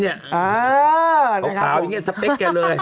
เหมาะอย่างเงี้ยแป็กแกเลย